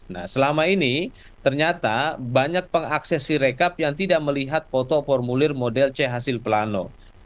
nah selama ini ternyata banyak pengaksesi rekap yang tidak melihat foto formulir model chasil plano